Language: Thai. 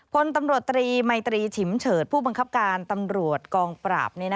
พลตำรวจตรีมัยตรีฉิมเฉิดผู้บังคับการตำรวจกองปราบ